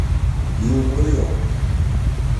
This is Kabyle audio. Yiwen ur iṛuḥ.